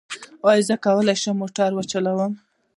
ایا زه به وکولی شم موټر وچلوم؟